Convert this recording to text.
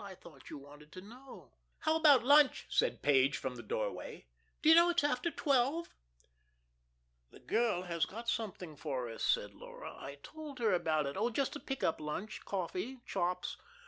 I thought you wanted to know." "How about lunch?" said Page, from the doorway. "Do you know it's after twelve?" "The girl has got something for us," said Laura. "I told her about it. Oh, just a pick up lunch coffee, chops.